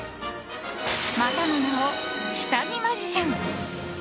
またの名を、下着マジシャン。